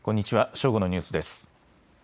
正午のニュースです。